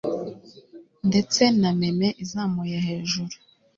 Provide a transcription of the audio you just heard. ndetse na meme izamuye hejuru